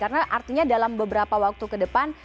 karena artinya dalam beberapa waktu ke depan